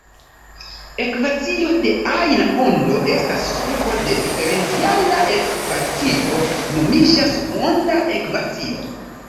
Ekvacio de ajna ondo estas solvo de diferenciala ekvacio, nomiĝas "«onda ekvacio»".